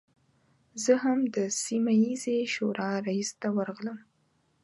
زه هم د سیمه ییزې شورا رئیس ته ورغلم.